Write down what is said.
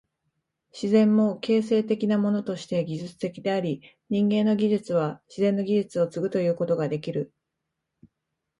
自然も形成的なものとして技術的であり、人間の技術は自然の技術を継ぐということができる。